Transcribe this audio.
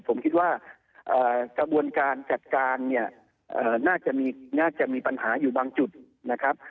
ผมคิดว่ากระบวนการจัดการเนี่ยน่าจะมีปัญหาอยู่บางจุดนะครับ